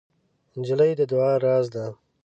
نجلۍ د دعا راز ده.